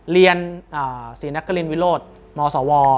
เรียนศรีนักกรินวิโรธมสว